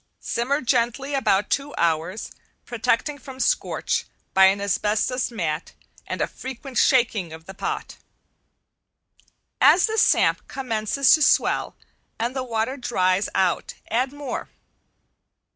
Simmer gently about two hours, protecting from scorch, by an asbestos mat and a frequent shaking of the pot. As the samp commences to swell and the water dries out add more.